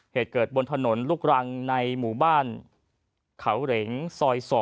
เหตุเกิดบนถนนลูกรังในหมู่บ้านเขาเหร็งซอย๒